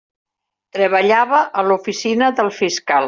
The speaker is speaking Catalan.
Treballava a l'oficina del fiscal.